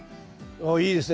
おっいいですね